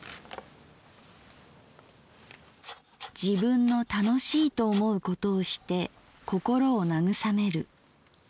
「自分の楽しいと思うことをして心を慰める。